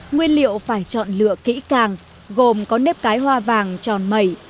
nguyên liệu phải chọn lựa kỹ càng gồm có nếp cái hoa vàng tròn mẩy